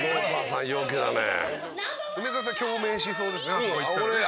梅沢さん共鳴しそうですねあそこ行ったらね。